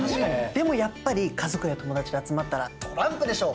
でもやっぱり家族や友達で集まったらトランプでしょ。